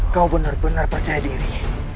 kau benar benar percaya diri